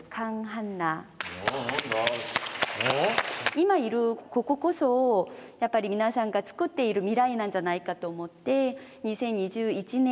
今いるこここそやっぱり皆さんが作っている未来なんじゃないかと思って２０２１年